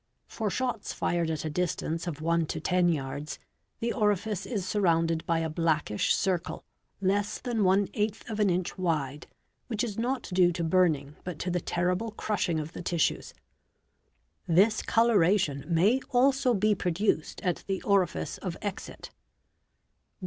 Tor shots fired at a distance of one to ten yards the orifice is surrounded by a blackish circle, less than 4 inch wide, which is not due to burning but to the terrible crushing of the tissues. This coloration may also be produced at the orifice of exit.